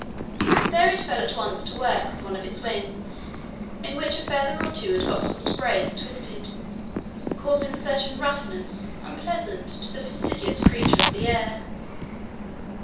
There it fell at once to work with one of its wings, in which a feather or two had got some sprays twisted, causing a certain roughness unpleasant to the fastidious creature of the air.